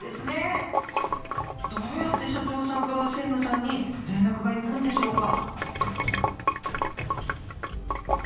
どうやって社長さんから専務さんに連絡が行くんでしょうか？